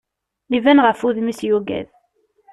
Iban ɣef wudem-is yugad.